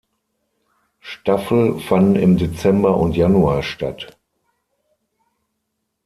Staffel fanden im Dezember und Januar statt.